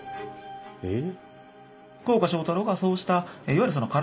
えっ？